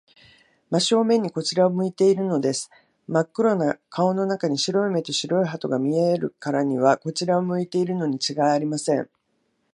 真正面にこちらを向いているのです。まっ黒な顔の中に、白い目と白い歯とが見えるからには、こちらを向いているのにちがいありません。